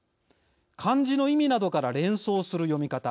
漢字の意味などから連想する読み方。